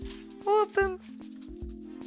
オープン！